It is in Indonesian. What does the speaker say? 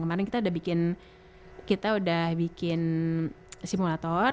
kemarin kita udah bikin kita udah bikin simulator